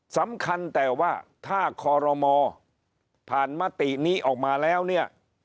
สำคัญแต่ว่าถ้าคอรมอผ่านมตินี้ออกมาแล้วเนี่ย